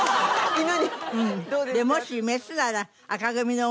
犬に。